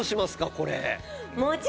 これ。